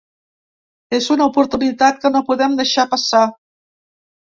És una oportunitat que no podem deixar passar.